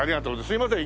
すいません。